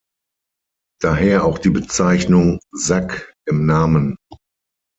Daher auch die Bezeichnung „Sack“ im Namen.